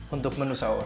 untuk menu saur